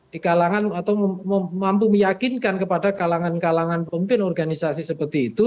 di kalangan atau mampu meyakinkan kepada kalangan kalangan pemimpin organisasi seperti itu